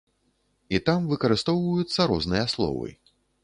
І там выкарыстоўваюцца розныя словы.